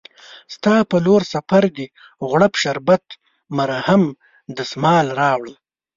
ستا په لورسفردي، غوړپ شربت، مرهم، دسمال راوړه